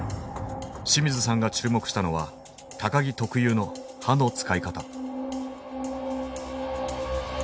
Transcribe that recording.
清水さんが注目したのは木特有の刃の使い方。